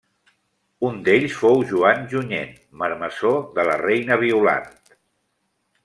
Un d'ells fou Joan Junyent, marmessor de la reina Violant.